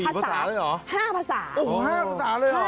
ภาษาเลยเหรอ๕ภาษาโอ้โห๕ภาษาเลยเหรอ